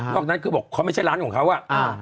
นอกนั้นบอกเขาไม่ใช่ร้านของเขา